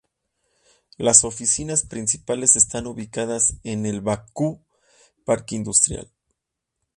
Las oficinas principales están ubicadas en el Bakú Parque Industrial.